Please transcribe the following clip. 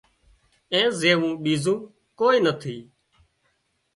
اين زيوو ٻيزو ڪوئي نٿِي